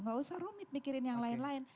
nggak usah rumit mikirin yang lain lain